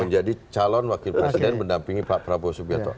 menjadi calon wakil presiden dan mendampingi pak prabowo subyato